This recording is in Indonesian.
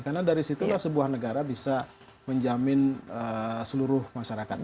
karena dari situlah sebuah negara bisa menjamin seluruh masyarakat